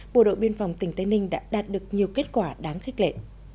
bộ đội biên phòng tỉnh tây ninh đã đạt được nhiều kết quả đáng khích lệ